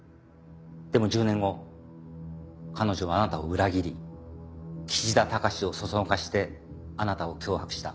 でも１０年後彼女はあなたを裏切り岸田貴志をそそのかしてあなたを脅迫した。